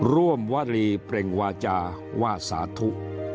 วรีเปล่งวาจาว่าสาธุ